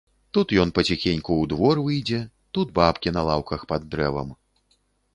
Тут ён паціхеньку ў двор выйдзе, тут бабкі на лаўках пад дрэвам.